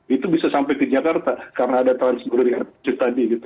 itu bisa sampai di jakarta karena ada transburian tadi gitu